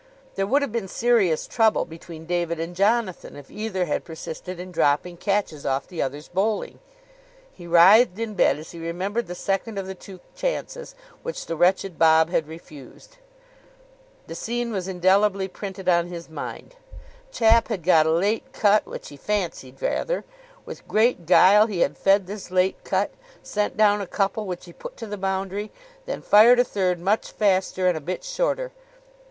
There would have been serious trouble between David and Jonathan if either had persisted in dropping catches off the other's bowling. He writhed in bed as he remembered the second of the two chances which the wretched Bob had refused. The scene was indelibly printed on his mind. Chap had got a late cut which he fancied rather. With great guile he had fed this late cut. Sent down a couple which he put to the boundary. Then fired a third much faster and a bit shorter.